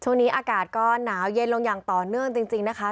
ช่วงนี้อากาศก็หนาวเย็นลงอย่างต่อเนื่องจริงนะคะ